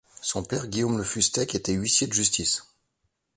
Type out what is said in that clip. Son père Guillaume Le Fustec était huissier de justice.